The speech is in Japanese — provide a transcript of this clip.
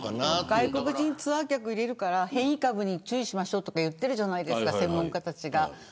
外国人ツアー客入れるから変異株に注意しましょうとか言ってるじゃないですか専門家たちが。